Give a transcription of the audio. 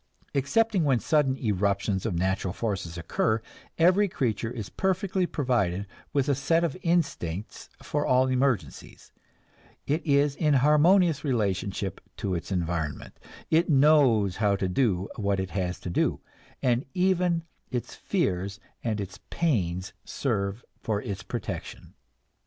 Excepting when sudden eruptions of natural forces occur, every creature is perfectly provided with a set of instincts for all emergencies; it is in harmonious relationship to its environment, it knows how to do what it has to do, and even its fears and its pains serve for its protection.